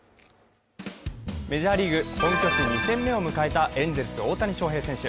メジャーリーグ本拠地２戦目を迎えたエンゼルス・大谷翔平選手。